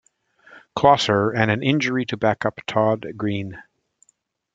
Closser and an injury to backup Todd Greene.